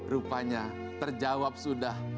rupanya terjawab sudah